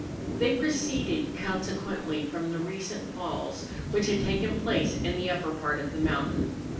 They proceeded con¬ sequently from the recent falls which had taken place in the upper part of the mountain.